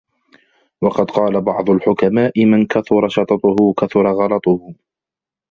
وَقَدْ قَالَ بَعْضُ الْحُكَمَاءِ مَنْ كَثُرَ شَطَطُهُ كَثُرَ غَلَطُهُ